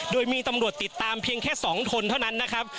โดยมีตำรวจติดตามเพียงแค่๒คนเท่านั้นนะครับ